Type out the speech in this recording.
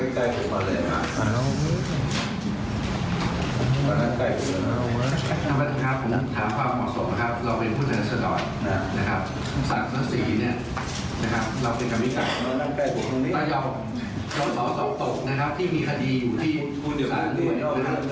จุภัณฑ์ศาสน์๔เราเป็นการวิการตะย่อสสตกที่มีคดีอยู่ที่ที่กุญษ์ศาสนศนิษย์